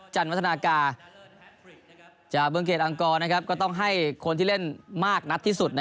จันมัธนากาจากเบื้องเกียรติอังกอร์นะครับก็ต้องให้คนที่เล่นมากนัดที่สุดนะครับ